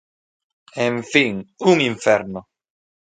En fin, un inferno.